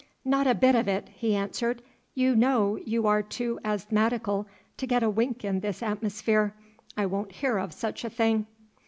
"Not a bit of it," he answered; "you know you are too asthmatical to get a wink in this atmosphere. I won't hear of such a thing."